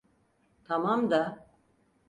Tamam da…